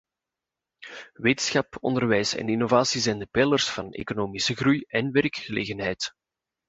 Wetenschap, onderwijs en innovatie zijn de peilers van economische groei en werkgelegenheid.